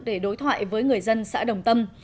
để đối thoại với người dân xã đồng tâm